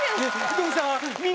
どうしたん？